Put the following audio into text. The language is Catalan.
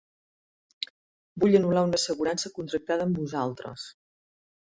Vull anul·lar una assegurança contractada amb vosaltres.